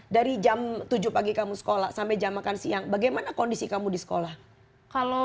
dari jam tujuh pagi kamu sekolah sampai jam makan siang bagaimana kondisi kamu di sekolah kalau